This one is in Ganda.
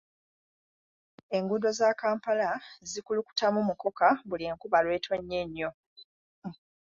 Enguudo za Kampala zikulukutako mukoka buli enkuba lw'etonnya ennyo.